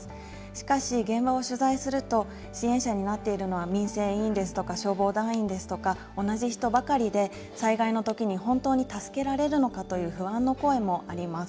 しかし、現場を取材すると、支援者になっているのは民生委員ですとか、消防団員ですとか、同じ人ばかりで、災害のときに本当に助けられるのかという不安の声もあります。